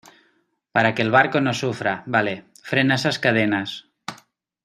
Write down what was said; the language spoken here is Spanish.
para que el barco no sufra. vale . frena esas cadenas .